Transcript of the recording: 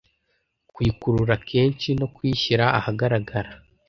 kuyikurura kenshi no kuyishyira ahagaragara